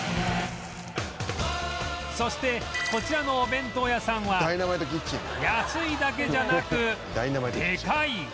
そしてこちらのお弁当屋さんは安いだけじゃなくでかい！